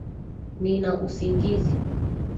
Nina usingizi